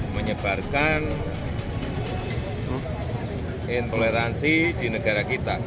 menyebarkan intoleransi di negara kita